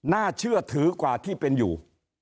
น่าเชื่อถือกว่าที่เป็นอยู่